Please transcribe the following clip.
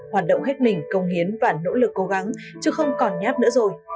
hoạt động hết mình công hiến và nỗ lực cố gắng chứ không còn nháp nữa rồi